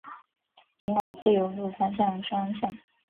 仅往自由路方向双向